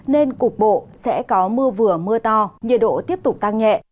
nên cục bộ sẽ có mưa vừa mưa to nhiệt độ tiếp tục tăng nhẹ